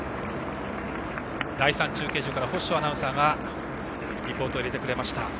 第３中継所から法性アナウンサーからリポートを入れてくれました。